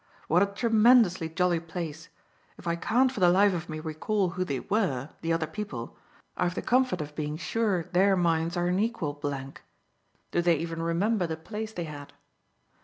"What a tremendously jolly place! If I can't for the life of me recall who they were the other people I've the comfort of being sure their minds are an equal blank. Do they even remember the place they had?